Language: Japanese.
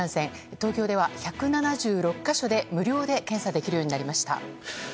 東京では１７６か所で無料で検査できるようになりました。